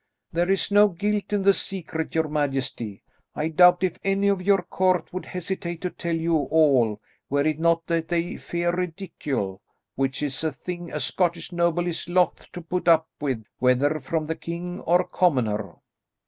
"There is no guilt in the secret, your majesty. I doubt if any of your court would hesitate to tell you all, were it not that they fear ridicule, which is a thing a Scottish noble is loth to put up with whether from the king or commoner."